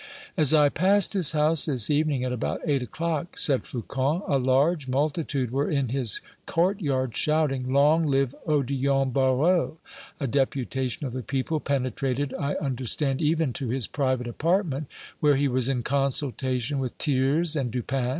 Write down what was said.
"As I passed his house this evening, at about eight o'clock," said Flocon, "a large multitude were in his courtyard shouting, 'Long live Odillon Barrot!' A deputation of the people penetrated, I understand, even to his private apartment, where he was in consultation with Thiers and Dupin.